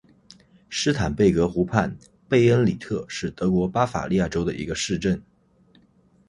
施坦贝格湖畔贝恩里特是德国巴伐利亚州的一个市镇。